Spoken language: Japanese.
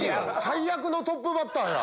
最悪のトップバッターや！